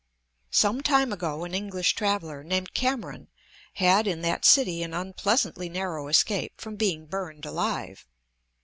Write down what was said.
Some time ago an English traveller, named Cameron, had in that city an unpleasantly narrow escape from being burned alive.